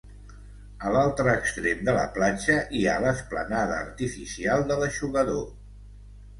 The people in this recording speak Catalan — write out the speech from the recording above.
A l'altre extrem de la platja hi ha l'esplanada artificial de l'Eixugador.